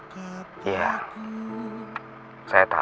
untuk menemani saya